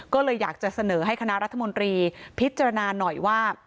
ก็เลยอยากจะเสนอให้คณะรัฐมนตรีพิจารณาหน่อยว่า